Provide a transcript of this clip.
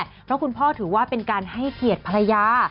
เพราะคุณพ่อถือว่าเป็นการให้เกียรติภรรยา